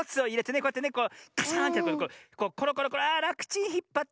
こうやってねこうカシャーンってコロコロコロあらくちんひっぱってねって。